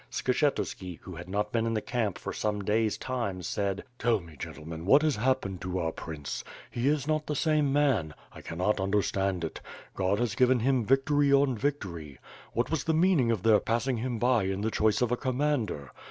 Skshetu§ki, who had not been in the camp for some days time, said: "Tell me, gentlemen, what has happened to our Prince? He is not the same man. I canot understand it. God has given him victory on victory. What was the meaning of their passing him by in the choice of a commander?